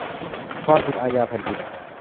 ความผิดอาญาแผ่นดิน